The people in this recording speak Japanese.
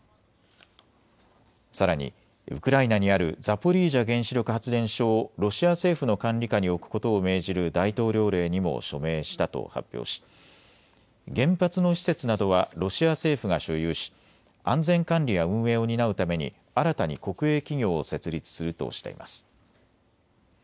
さらにウクライナにあるザポリージャ原子力発電所をロシア政府の管理下に置くことを命じる大統領令にも署名したと発表し原発の施設などはロシア政府が所有し安全管理や運営を担うために新たに国営企業を設立するとしています。